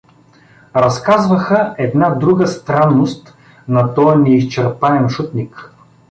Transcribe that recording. Разказваха една друга странност на тоя неизчерпаем шутник.